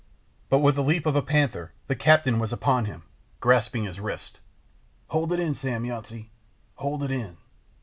But with the leap of a panther the captain was upon him, grasping his wrist. "Hold it in, Sam Yountsey, hold it in!"